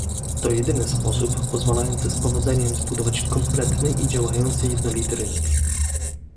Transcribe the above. To jedyny sposób pozwalający z powodzeniem zbudować kompletny i działający jednolity rynek